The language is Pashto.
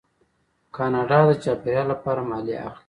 کاناډا د چاپیریال لپاره مالیه اخلي.